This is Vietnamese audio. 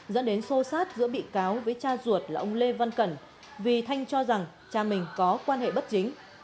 dẫn đến xô xát giữa bị cáo với cha ruột là ông lê văn cẩn vì thanh cho rằng cha mình có quan hệ bất chính